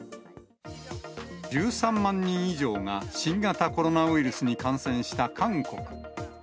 １３万人以上が新型コロナウイルスに感染した韓国。